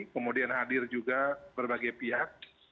kemudian hadir juga berbagai pihak